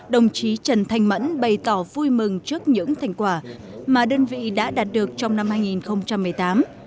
đồng chí trần thanh mẫn bày tỏ vui mừng trước những thành quả mà đơn vị đã đạt được trong năm hai nghìn một mươi tám